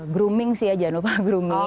grooming sih ya jangan lupa brooming